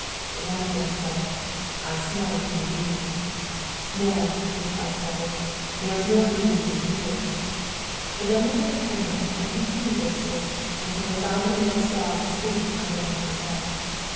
One of them said, "I smell a human being." "No," replied the other, "there is no human being here." Then they took a candle and continued their search, until they found the man's dog asleep under one of the beds.